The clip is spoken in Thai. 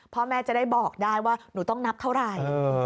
พ่อแม่จะได้บอกได้ว่าหนูต้องนับเท่าไหร่